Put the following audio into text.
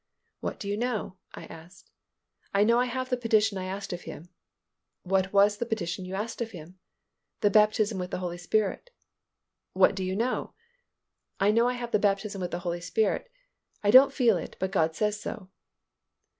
"What do you know?" I asked. "I know I have the petition I asked of Him." "What was the petition you asked of Him?" "The baptism with the Holy Spirit." "What do you know?" "I know I have the baptism with the Holy Spirit. I don't feel it, but God says so."